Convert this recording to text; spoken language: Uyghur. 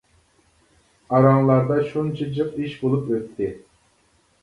ئاراڭلاردا شۇنچە جىق ئىش بولۇپ ئۆتتى.